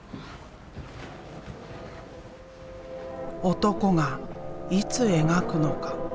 男がいつ描くのか。